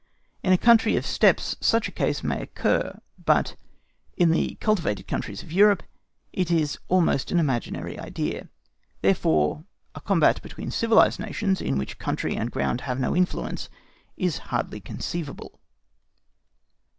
In a country of steppes such a case may occur, but in the cultivated countries of Europe it is almost an imaginary idea. Therefore a combat between civilised nations, in which country and ground have no influence, is hardly conceivable.